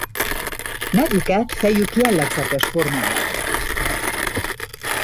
Nevüket fejük jellegzetes formájáról kapták.